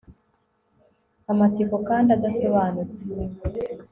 Amatsiko kandi adasobanutse